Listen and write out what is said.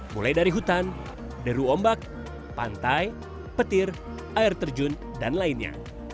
mulai dari hutan deru ombak pantai petir air terjun dan lainnya